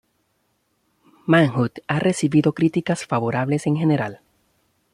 Manhunt ha recibido críticas favorables en general.